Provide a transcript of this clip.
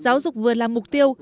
giáo dục vừa là mục tiêu